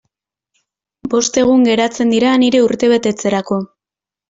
Bost egun geratzen dira nire urtebetetzerako.